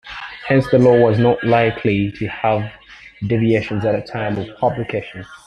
Hence, the law was not likely to have deviations at the time of publication.